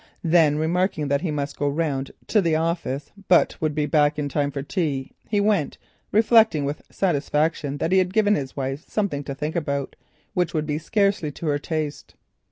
Then remarking that he must go round to the office, but would be back in time for tea, he went, reflecting with satisfaction that he had given his wife something to think about which would scarcely be to her taste.